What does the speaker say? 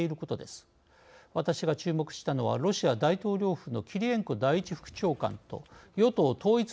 私が注目したのはロシア大統領府のキリエンコ第１副長官と与党統一